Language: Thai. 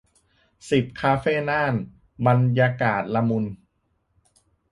สิบ คาเฟ่น่าน บรรยากาศละมุน